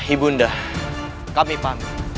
ibu undang kami pamit